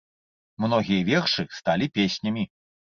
Многія вершы сталі песнямі.